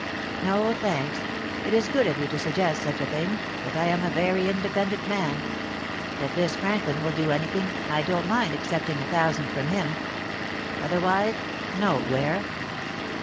"No, thanks. It is good of you to suggest such a thing, but I am a very independent man. If this Franklin will do anything, I don't mind accepting a thousand from him; otherwise no, Ware."